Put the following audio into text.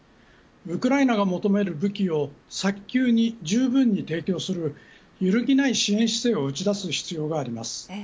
ウクライナが求める武器を早急にじゅうぶんに提供する揺るぎない支援姿勢を打ち出す必要があります。